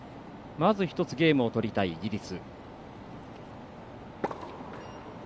まず１つゲームを取りたいイギリス。